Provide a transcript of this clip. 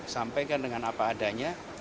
sampaikan dengan apa adanya